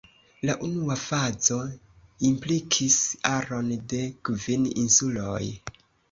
La unua fazo implikis aron de kvin insuloj.